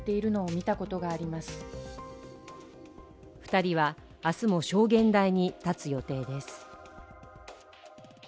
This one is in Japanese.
２人は明日も証言台に立つ予定です。